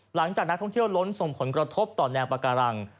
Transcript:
หลังจากนักท่องเที่ยวล้นส่งผลกระทบต่อแนวปาการัง